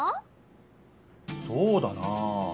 そうだなあ。